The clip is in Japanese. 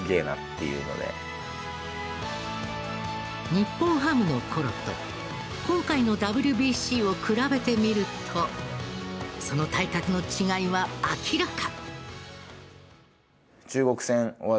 日本ハムの頃と今回のＷＢＣを比べてみるとその体格の違いは明らか。